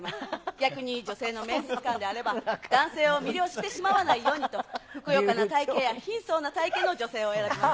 逆に女性の面接官であれば、男性を魅了してしまわないようにと、ふくよかな体形や貧相な体形の女性を選びます。